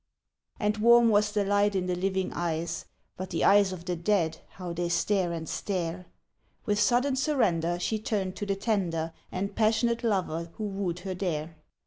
And warm was the light in the living eyes, But the eyes of the dead, how they stare and stare! With sudden surrender she turned to the tender And passionate lover who wooed her there.